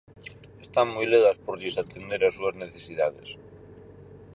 Estan moi ledas por lles atender as súas necesidades